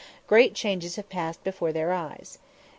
Great changes have passed before their eyes.